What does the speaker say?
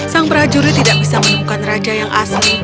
sang prajurit tidak bisa menemukan raja yang asli